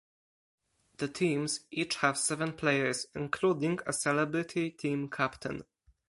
The teams each have seven players, including a celebrity team captain.